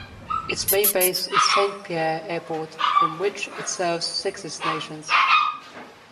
Its main base is Saint-Pierre Airport, from which it serves six destinations.